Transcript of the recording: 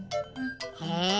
へえ！